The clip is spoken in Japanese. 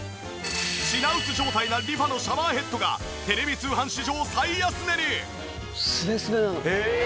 品薄状態なＲｅＦａのシャワーヘッドがテレビ通販史上最安値に！